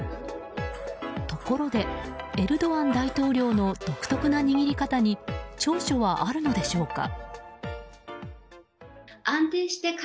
ところで、エルドアン大統領の独特な握り方に長所はあるのでしょうか。